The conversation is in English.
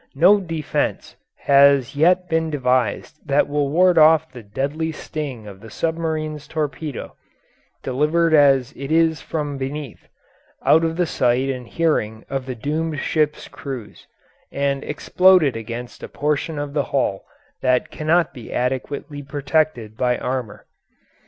No defense has yet been devised that will ward off the deadly sting of the submarine's torpedo, delivered as it is from beneath, out of the sight and hearing of the doomed ships' crews, and exploded against a portion of the hull that cannot be adequately protected by armour.